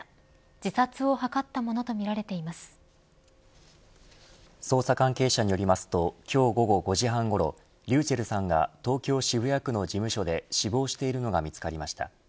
自殺を図ったものと捜査関係者によりますと今日午後５時半ごろｒｙｕｃｈｅｌｌさんが東京、渋谷区の事務所で死亡しているのが見つかりました。